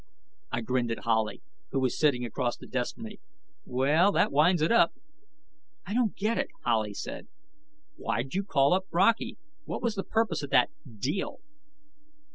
I grinned at Howley, who was sitting across the desk from me. "Well, that winds it up." "I don't get it," Howley said. "Why'd you call up Brockey? What was the purpose of that 'deal'?"